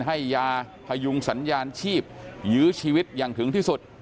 ให้ยาพยุงสัญญาณชีพยื้อชีวิตอย่างถึงที่สุด